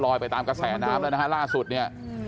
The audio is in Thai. ไปตามกระแสน้ำแล้วนะฮะล่าสุดเนี่ย